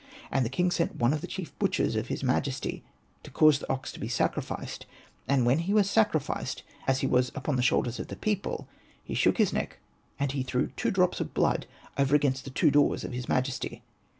And the king sent one of the chief butchers of his majesty, to cause the ox to be sacri ficed. And when he was sacrificed, as he was upon the shoulders of the people, he shook his neck, and he threw two drops of blood over against the two doors of his majesty.